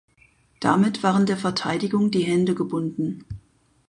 Damit waren der Verteidigung die Hände gebunden.